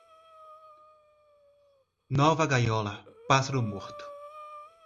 Nova gaiola, pássaro morto.